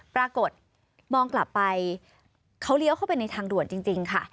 ปรากฏมองกลับไปเขาเลี้ยวเข้าไปในทางด่วนจริงค่ะ